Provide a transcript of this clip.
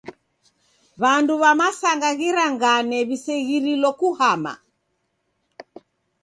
W'andu w'a masanga ghirangane w'iseghirilo kuhama.